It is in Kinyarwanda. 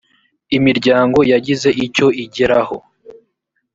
imiryango yagize icyo igeraho